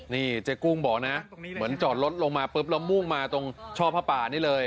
นี่เจ๊กุ้งบอกนะเหมือนจอดรถลงมาปุ๊บแล้วมุ่งมาตรงช่อผ้าป่านี่เลย